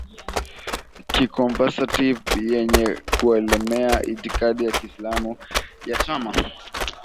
Ki Conservative yenye kuelemea itikadi za Kiislamu ya Chama